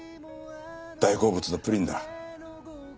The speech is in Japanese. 大好物のプリンだ。